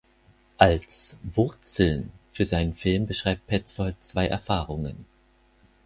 Als „Wurzeln“ für seinen Film beschreibt Petzold zwei Erfahrungen.